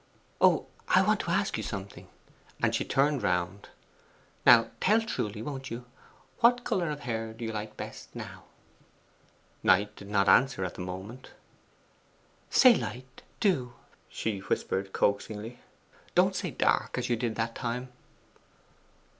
Oh, I want to ask you something.' And she turned round. 'Now tell truly, won't you? What colour of hair do you like best now?' Knight did not answer at the moment. 'Say light, do!' she whispered coaxingly. 'Don't say dark, as you did that time.